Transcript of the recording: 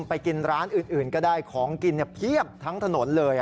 ไปกินร้านอื่นก็ได้ของกินเพียบทั้งถนนเลย